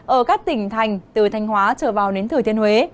ở các tỉnh thành từ thanh hóa trở vào đến thừa thiên huế